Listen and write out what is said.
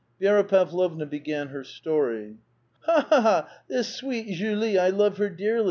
Vi^ra Pavlovna began her story. "Ha! ha! ha! This sweet Julie, I love her dearlv!'